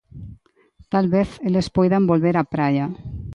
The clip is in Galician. Talvez eles poidan volver á praia.